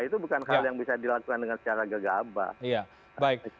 itu bukan hal yang bisa dilakukan dengan secara gegabah